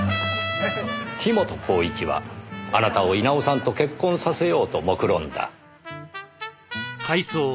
樋本晃一はあなたを稲尾さんと結婚させようと目論んだ。